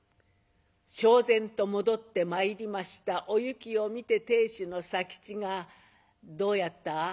しょう然と戻ってまいりましたおゆきを見て亭主の佐吉が「どうやった？